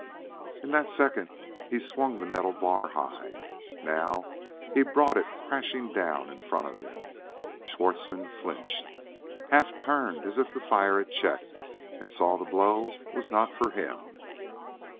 In that second he had swung the metal bar high; now he brought it crashing down in front of him. Schwartzmann flinched, half turned as if to fire at Chet, and saw the blow was not for him.